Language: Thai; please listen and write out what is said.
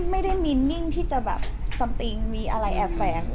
ไม่ได้มีนิ่งแบบมีอะไรแอบแฟน